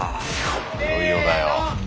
いよいよだよ。